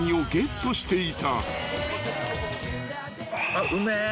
あっうめえ。